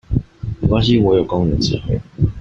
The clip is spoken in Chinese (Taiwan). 沒關係我有工人智慧